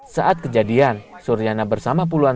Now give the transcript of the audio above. saat kejadian suriana bersama puluhan